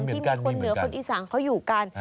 มีเหมือนกันมีเหมือนกันที่มีคนเหนือคนอิสังเขาอยู่กัน